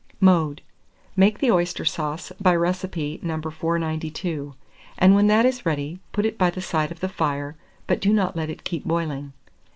Mode. Make the oyster sauce by recipe No. 492, and when that is ready, put it by the side of the fire, but do not let it keep boiling.